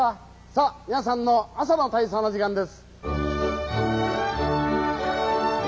さあ皆さんの朝の体操の時間です。